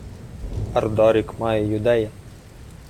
— Ардарік має юдея.